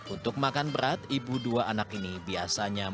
untuk makan berat ibu dua anak ini biasanya makan